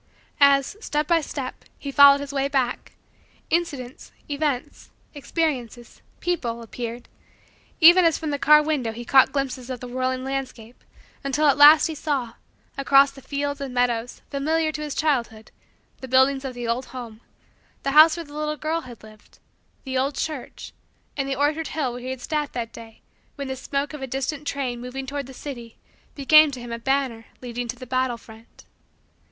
As, step by step, he followed his way back, incidents, events, experiences, people, appeared, even as from the car window he caught glimpses of the whirling landscape, until at last he saw, across the fields and meadows familiar to his childhood, the buildings of the old home, the house where the little girl had lived, the old church, and the orchard hill where he had sat that day when the smoke of a distant train moving toward the city became to him a banner leading to the battle front.